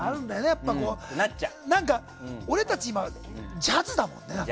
何か、俺たち今ジャズだもんね。